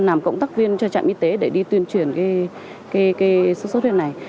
làm cộng tác viên cho trạm y tế để đi tuyên truyền cái xuất xuất huyết này